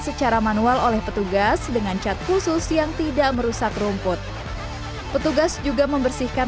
secara manual oleh petugas dengan cat khusus yang tidak merusak rumput petugas juga membersihkan